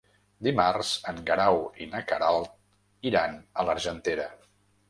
Dimarts en Guerau i na Queralt iran a l'Argentera.